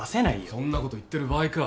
そんなこと言ってる場合か。